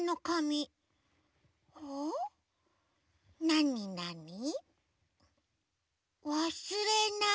なになに？